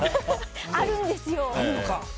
あるんですよ！